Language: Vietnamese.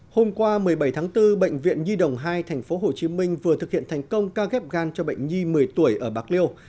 hôm qua một mươi bảy tháng bốn bệnh viện nhi đồng hai tp hcm vừa thực hiện thành công ca ghép gan cho bệnh nhi một mươi tuổi ở bạc liêu